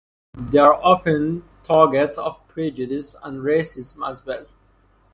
They are often targets of prejudice and racism as well.